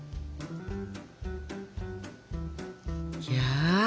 いや。